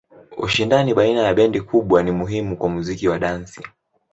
Ushindani baina ya bendi kubwa ni muhimu kwa muziki wa dansi.